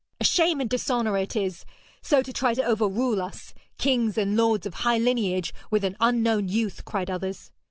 'A shame and dishonour it is, so to try to overrule us, kings and lords of high lineage, with an unknown youth,' cried others.